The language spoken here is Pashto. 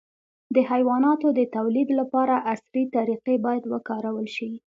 د حیواناتو د تولید لپاره عصري طریقې باید وکارول شي.